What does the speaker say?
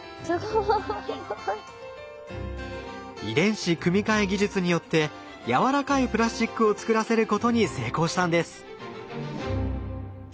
遺伝子組み換え技術によってやわらかいプラスチックを作らせることに成功したんです。